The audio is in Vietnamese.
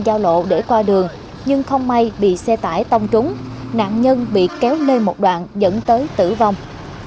bà võ thị mẫn đang giao lộ để qua đường nhưng không may bị xe tải tông trúng nạn nhân bị kéo lên một đoạn dẫn tới tử vong